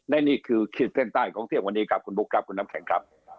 และนี่คือขีดเส้นใต้ของเที่ยงวันนี้ครับคุณบุ๊คครับคุณน้ำแข็งครับ